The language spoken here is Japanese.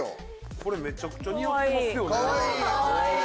これめちゃくちゃ似合ってますよね。